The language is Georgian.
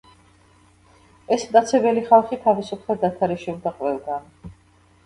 ეს მტაცებელი ხალხი თავისუფლად დათარეშობდა ყველგან.